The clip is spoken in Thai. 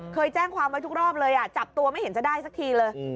เคยแจ้งความไว้ทุกรอบเลยจับตัวไม่เห็นจะได้สักทีเลย